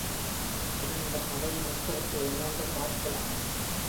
இனி இந்தக் கதையின் உட்கருத்து என்ன என்று பார்க்கலாம்.